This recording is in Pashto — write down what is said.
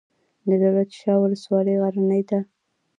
د دولت شاه ولسوالۍ غرنۍ ده